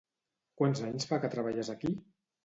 Quants anys fa que treballes aquí?